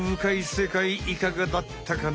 世界いかがだったかな？